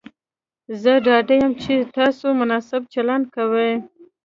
زه ډاډه یم چې تاسو مناسب چلند کوئ.